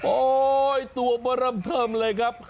โอ้ตัวมะระบทรับเลยครับ